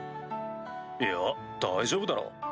いや大丈夫だろ？